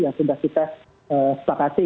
yang sudah kita sepakati